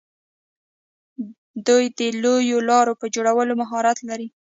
دوی د لویو لارو په جوړولو کې مهارت لري.